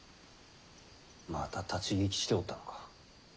また立ち聞きしておったのか。